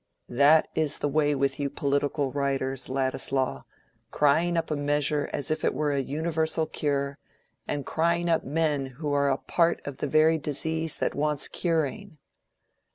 "That is the way with you political writers, Ladislaw—crying up a measure as if it were a universal cure, and crying up men who are a part of the very disease that wants curing."